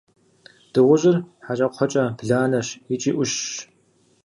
Дыгъужьыр – хьэкӏэкхъуэкӏэ бланэщ икӏи ӏущщ.